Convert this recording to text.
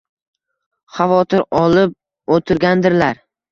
Xavotir olib o`tirgandirlar